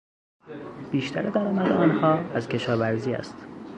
بیشتر درآمد آنها از کشاورزی است.